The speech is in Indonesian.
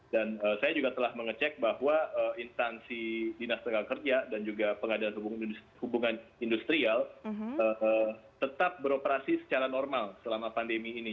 dan saya juga telah mengecek bahwa instansi dinas tenaga kerja dan juga pengadilan hubungan industrial tetap beroperasi secara normal selama pandemi ini